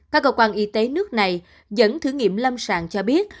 các cơ quan y tế nước này dẫn thử nghiệm lâm sàng cho biết